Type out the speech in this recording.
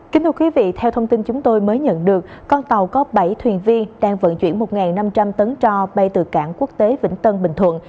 kính thưa quý vị theo thông tin chúng tôi mới nhận được con tàu có bảy thuyền viên đang vận chuyển một năm trăm linh tấn trò bay từ cảng quốc tế vĩnh tân bình thuận